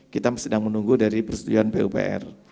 kita sedang menunggu dari persetujuan pupr